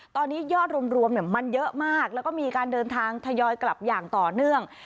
ตอนนี้ยอดรวมมันเยอะมากแล้วก็มีการเดินทางทยอยกลับอย่างต่อเนื่อง